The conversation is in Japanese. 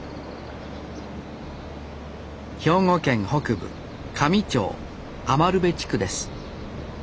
兵庫県北部香美町余部地区です